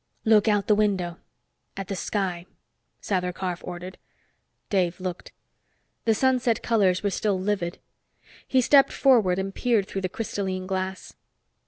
"Look out the window at the sky," Sather Karf ordered. Dave looked. The sunset colors were still vivid. He stepped forward and peered through the crystalline glass.